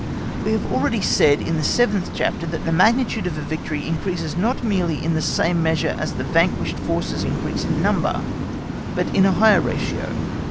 We have already said in the seventh chapter that the magnitude of a victory increases not merely in the same measure as the vanquished forces increase in number, but in a higher ratio.